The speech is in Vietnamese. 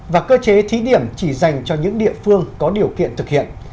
và cơ chế thí điểm chỉ dành cho những địa phương có điều kiện thực hiện